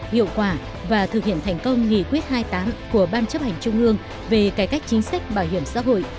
hiệu quả và thực hiện thành công nghị quyết hai mươi tám của ban chấp hành trung ương về cải cách chính sách bảo hiểm xã hội